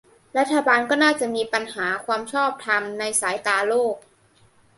รัฐบาลก็น่าจะมีปัญหาความชอบธรรมในสายตาโลก